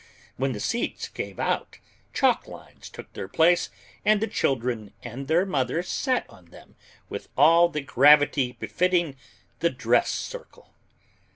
When the seats gave out, chalk lines took their place and the children and their mothers sat on them with all the gravity befitting the dress circle.